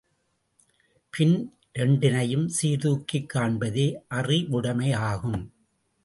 பின் இரண்டினையும் சீர்தூக்கிக் காண்பதே அறிவுடைமையாகும்.